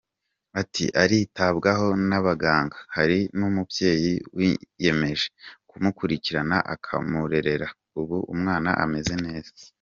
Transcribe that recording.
Ati “Aritabwaho n’abaganga, hari n’umubyeyi wiyemeje kumukurikirana akamurera, ubu umwana ameze neza”.